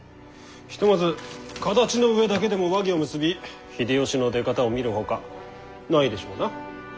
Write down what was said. ひとまず形の上だけでも和議を結び秀吉の出方を見るほかないでしょうな。